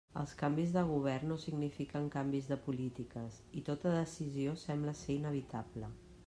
Els canvis de govern no signifiquen canvis de polítiques i tota decisió sembla ser inevitable.